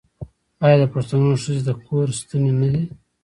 آیا د پښتنو ښځې د کور ستنې نه دي؟